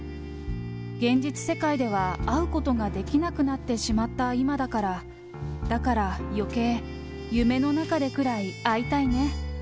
現実世界では会うことができなくなってしまった今だから、だから余計、夢の中でくらい会いたいね。